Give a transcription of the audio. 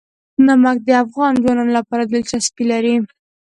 نمک د افغان ځوانانو لپاره دلچسپي لري.